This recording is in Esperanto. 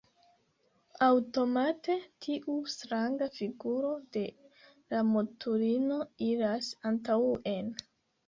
Aŭtomate tiu stranga figuro de la mutulino iras antaŭen.